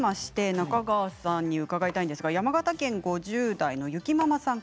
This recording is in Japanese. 中川さんに伺いたいんですが山形県５０代の方です。